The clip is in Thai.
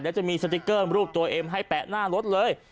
เดี๋ยวจะมีสติ๊กเกอร์รูปตัวเองให้แปะหน้ารถเลย